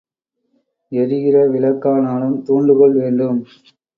எரிகிற விளக்கானாலும் தூண்டுகோல் வேண்டும்.